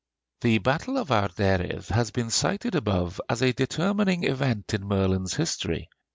The battle of Arderydd has been cited above as a determining event in Merlin's history.